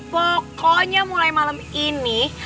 pokoknya mulai malem ini